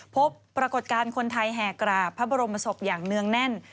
พบปรากฏการณ์คนไทยแห่กราบพระบรมศพอย่างเนื่องแน่น